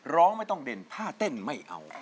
ไม่ต้องเด่นผ้าเต้นไม่เอา